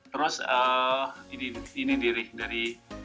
terus ini diri dari